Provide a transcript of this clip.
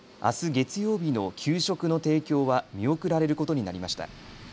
月曜日の給食の提供は見送られることになりました。